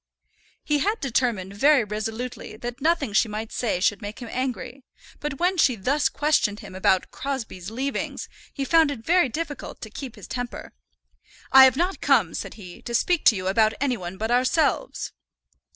He had determined very resolutely that nothing she might say should make him angry, but when she thus questioned him about "Crosbie's leavings" he found it very difficult to keep his temper. "I have not come," said he, "to speak to you about any one but ourselves."